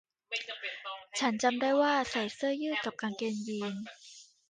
ฉันจำได้ว่าใส่เสื้อยืดกับกางเกงยีนส์